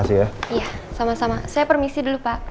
iya sama sama saya permisi dulu pak